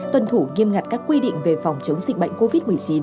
tuân thủ nghiêm ngặt các quy định về phòng chống dịch bệnh covid một mươi chín